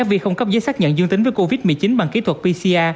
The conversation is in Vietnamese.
vì không cấp giấy xác nhận dương tính với covid một mươi chín bằng kỹ thuật pcr